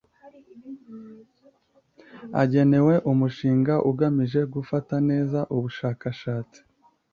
agenewe Umushinga Ugamije Gufata neza ubushakashatsi